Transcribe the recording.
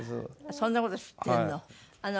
そんな事知ってんの。